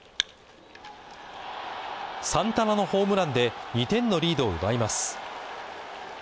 サンタナのホームランで２点のリードを奪います。